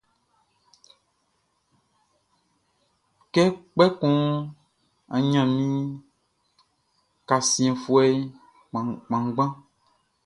Kpɛkun n ɲannin kasiɛnfuɛ kpanngban.